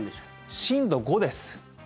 震度５です。